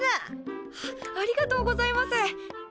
ありがとうございます。